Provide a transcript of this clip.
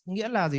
nghĩa là gì